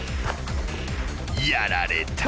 ［やられた］